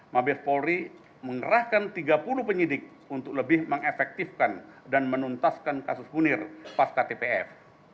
mabes polri mengerahkan tiga puluh penyidik untuk lebih mengefektifkan dan menuntaskan kasus munir pas ktpf